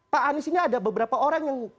pak anies ini ada beberapa orang yang